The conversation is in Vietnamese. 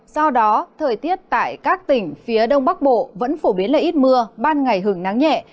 do đó thời tiết tại các tỉnh phía đông bắc bộ vẫn phổ biến là ít mưa ban ngày hứng nắng nhẹ